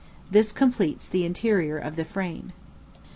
This completes the interior of the frame.